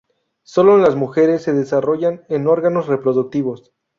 Solo en las mujeres se desarrollan en órganos reproductivos.